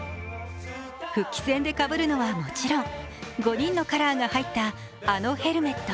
復帰戦でかぶるのは、もちろん５人のカラーが入ったあのヘルメット。